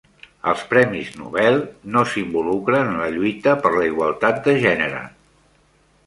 Els premis Nobel no s'involucren en la lluita per la igualtat de gènere